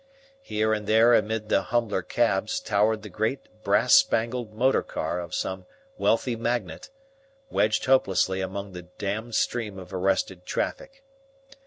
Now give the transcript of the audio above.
Here and there amid the humbler cabs towered the great brass spangled motor car of some wealthy magnate, wedged hopelessly among the dammed stream of arrested traffic.